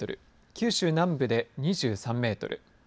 九州南部で２３メートル。